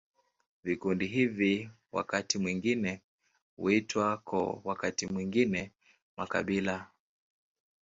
Vikundi hivi wakati mwingine huitwa koo, wakati mwingine makabila.